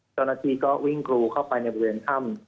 เจ้าหน้าที่ก็วิ่งกระโดยเข้าไปในท่วิทยุค่ำ